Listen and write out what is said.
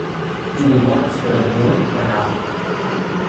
Do we want to go to the Moon or not?